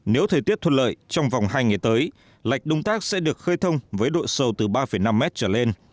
nếu thời tiết thuận lợi trong vòng hai ngày tới lạch đông tác sẽ được khơi thông với độ sâu từ ba năm m trở lên